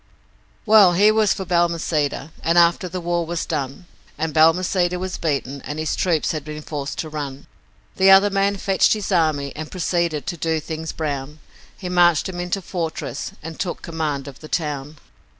Well, he was for Balmaceda, and after the war was done, And Balmaceda was beaten and his troops had been forced to run, The other man fetched his army and proceeded to do things brown, He marched 'em into the fortress and took command of the town.